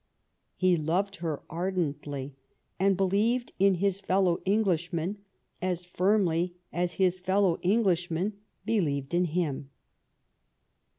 He loved her ardently, and believed in his fellow Englishmen as firmly as his fellow Englishmen believed in him.